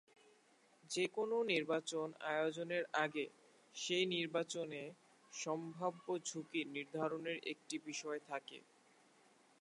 যেকোনো নির্বাচন আয়োজনের আগে সেই নির্বাচনে সম্ভাব্য ঝুঁকি নির্ধারণের একটি বিষয় থাকে।